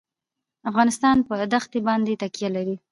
افغانستان په دښتې باندې تکیه لري.